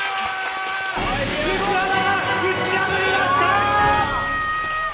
福原さんが打ち破りました！